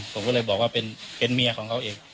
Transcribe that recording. ผมก็เลยบอกว่าเป็นเมียของเขาเอง